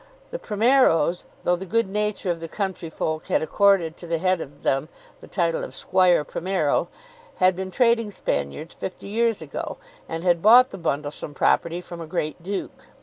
The Primeros, though the good nature of the country folk had accorded to the head of them the title of Squire Primero, had been trading Spaniards fifty years ago, and had bought the Bundlesham property from a great duke.